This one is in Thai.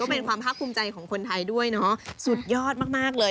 เป็นความภาคภูมิใจของคนไทยด้วยเนาะสุดยอดมากเลย